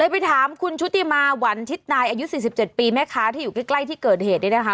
ไปถามคุณชุติมาหวันชิดนายอายุ๔๗ปีแม่ค้าที่อยู่ใกล้ที่เกิดเหตุเนี่ยนะคะ